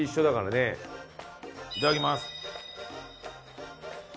いただきます。